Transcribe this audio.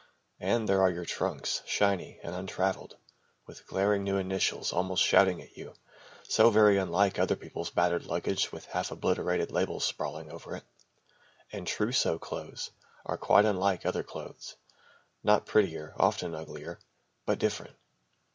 And there are your trunks, shiny and untravelled, with glaring new initials almost shouting at you, so very unlike other people's battered luggage with half obliterated labels sprawling over it. And trousseau clothes are quite unlike other clothes not prettier, often uglier but different.